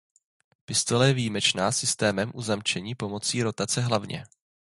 Pistole je výjimečná systémem uzamčení pomocí rotace hlavně.